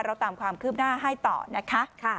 เราตามความคืบหน้าให้ต่อนะคะ